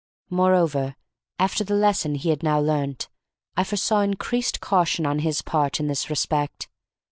Moreover, after the lesson he had now learnt, I foresaw increased caution on his part in this respect.